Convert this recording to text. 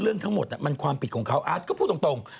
เรื่องทั้งหมดมันความผิดของเขาอาร์ตก็พูดตรง